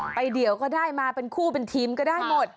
เดียวก็ได้มาเป็นคู่เป็นทีมก็ได้หมด